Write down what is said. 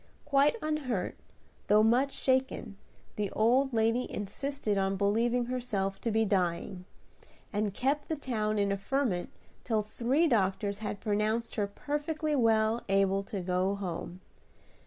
Quite unhurt, though much shaken, the old lady insisted on believing herself to be dying, and kept the town in a ferment till three doctors had pronounced her perfectly well able to go home.